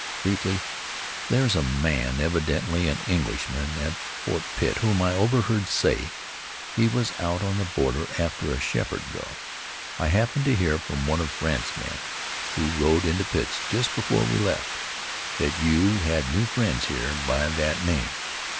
Briefly, there's a man, evidently an Englishman, at Fort Pitt whom I overheard say he was out on the border after a Sheppard girl. I happened to hear from one of Brandt's men, who rode into Pitt just before we left, that you had new friends here by that name.